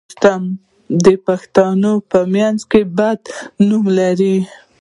دوستم د پښتنو په منځ کې بد نوم لري